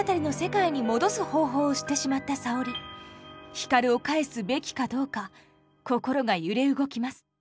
光を帰すべきかどうか心が揺れ動きます。